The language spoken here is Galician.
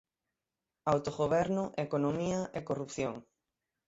Autogoberno, economía e corrupción.